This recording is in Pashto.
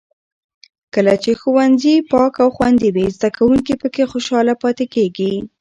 کله چې ښوونځي پاک او خوندي وي، زده کوونکي پکې خوشحاله پاتې کېږي.